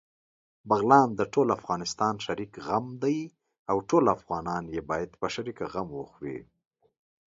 بغلان دټول افغانستان شريک غم دی، او ټول افغانان يې باېد په شريکه غم وخوري